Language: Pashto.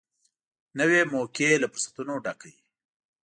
نوې موقعه له فرصتونو ډکه وي